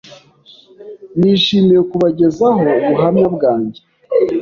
nishimiye kubagezaho ubuhamya bwanjye